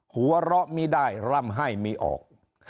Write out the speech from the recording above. หัวเราะมีด้ายร่ำไห้มีออก